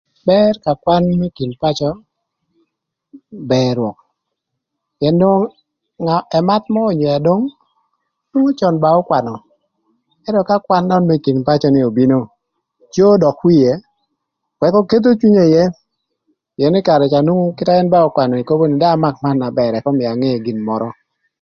Bër ka kwan ï kin pacö bër rwök pïën nwongo emath mörö onyo adwong nwongo cön ba ökwanö ëntö ka kwan nön më kin pacö ni obino cöö dök wie ëka ketho cwinye ïë pïën ï karë ca nwongo kite na ba ökwanö ni kobo nï ëk dong amak man na bër ëk ömïa ange gin mörö.